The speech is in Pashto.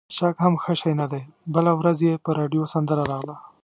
شک هم ښه شی نه دی، بله ورځ یې په راډیو سندره راغله.